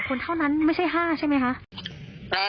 ประมาณนั้นประมาณนั้นแหละครับ